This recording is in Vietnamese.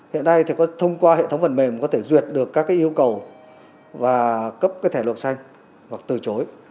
hiện nay thông qua hệ thống phần mềm có thể duyệt được các yêu cầu và cấp thẻ luật xanh hoặc từ chối